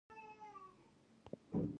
آیا د کابل ښاروالي عواید په ښار لګوي؟